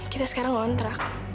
kita sekarang ngontrak